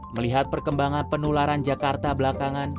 melihat perkembangan penularan jakarta belakangan